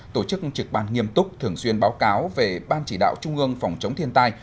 tổ chức trực ban nghiêm túc thường xuyên báo cáo về ban chỉ đạo trung ương phòng chống thiên tai